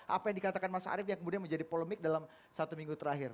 apa yang dikatakan mas arief yang kemudian menjadi polemik dalam satu minggu terakhir